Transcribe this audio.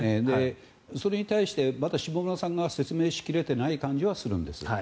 それに対してまだ下村さんが説明しきれていない感じはするんです。